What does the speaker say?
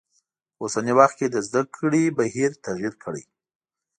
په اوسنی وخت کې د زده کړی بهیر تغیر کړی.